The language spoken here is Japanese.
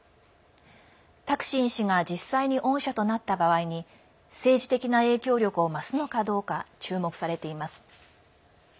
タクシン氏が実際に恩赦となった場合に政治的な影響力を増すのかどうか注目されています。